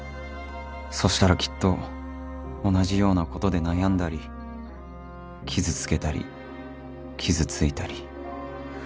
そしたらきっと同じようなことで悩んだり傷つけたり傷ついたり